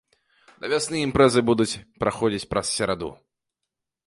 Да вясны імпрэзы будуць праходзіць праз сераду.